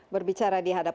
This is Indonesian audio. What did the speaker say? terima kasih banyak